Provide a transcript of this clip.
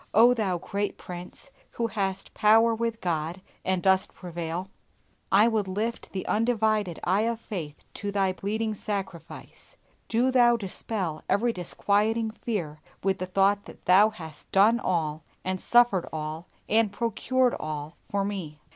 O Thou great Prince, who hast power with God and dost prevail, I would lift the undivided eye of faith to Thy bleeding sacrifice! Do Thou dispel every disquieting fear with the thought that Thou hast done all, and suffered all, and procured all for me.